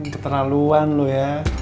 keterlaluan lo ya